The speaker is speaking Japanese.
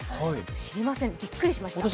知りません、びっくりしました。